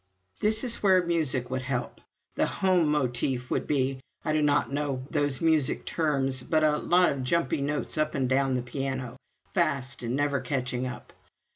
This is where music would help. The Home motif would be I do not know those musical terms, but a lot of jumpy notes up and down the piano, fast and never catching up.